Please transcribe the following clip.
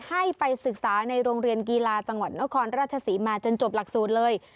ให้ไปศึกษาในโรงเรียนกีฬาจังหวัดนครราชศรีมาจนจบหลักสูตรเลย